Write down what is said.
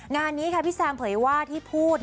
งานนี้ค่ะพี่แซมเผยว่าที่พูด